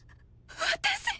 私。